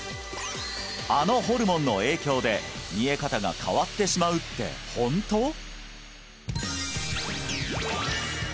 あのホルモンの影響で見え方が変わってしまうってホント？